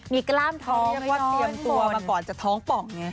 มีกล้ามท้องเพราะว่าเตรียมตัวมาก่อนจะท้องป่องไง